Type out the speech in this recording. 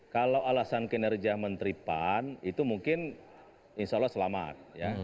kalau alasan kinerja menteri pan itu mungkin insya allah selamat